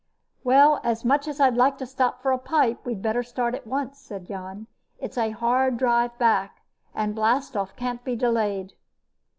"Well, as much as I'd like to stop for a pipe, we'd better start at once," said Jan. "It's a hard drive back, and blastoff can't be delayed."